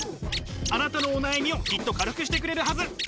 あなたのお悩みをきっと軽くしてくれるはず。